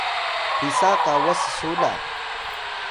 Wilang: pisa kawas su la?